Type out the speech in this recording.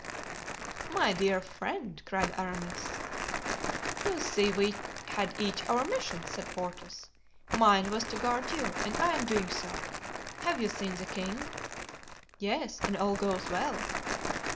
"My dear friend," cried Aramis. "You see, we had each our mission," said Porthos; "mine was to guard you and I am doing so. Have you seen the king?" "Yes, and all goes well."